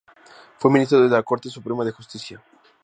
Fue Ministro de la Corte Suprema de Justicia.